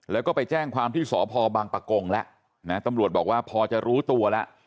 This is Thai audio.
แล้วก็ไปแจ้งความที่สพบังปะกงแล้วนะตำรวจบอกว่าพอจะรู้ตัวแล้ว